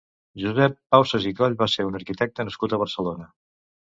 Josep Pausas i Coll va ser un arquitecte nascut a Barcelona.